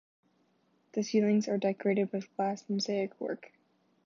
The ceilings are decorated with glass mosaic work.